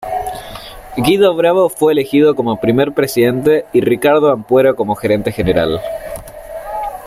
Guido Bravo fue elegido como primer presidente y Ricardo Ampuero como gerente general.